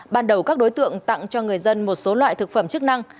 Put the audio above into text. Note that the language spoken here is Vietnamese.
ban đầu các đối tượng tặng cho người dân một số loại thực phẩm chức năng